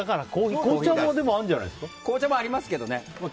紅茶もありますけどね。